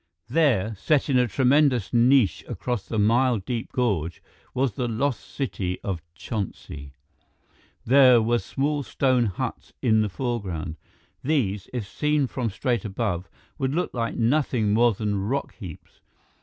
There, set in a tremendous niche across the mile deep gorge, was the Lost City of Chonsi. There were small stone huts in the foreground. These, if seen from straight above, would look like nothing more than rock heaps.